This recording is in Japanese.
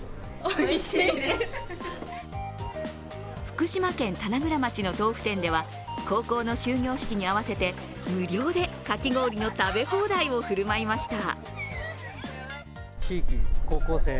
福島県棚倉町の豆腐店では高校の終業式に合わせて無料でかき氷の食べ放題を振る舞いました。